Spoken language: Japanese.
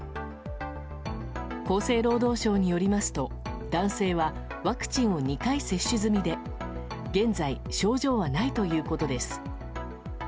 厚生労働省によりますと男性はワクチンを２回接種済みで現在、症状はないということです。